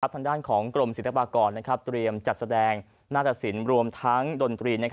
ทางด้านของกรมศิลปากรเตรียมจัดแสดงหน้าตะสินรวมทั้งดนตรี